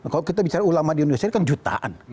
kalau kita bicara ulama di indonesia ini kan jutaan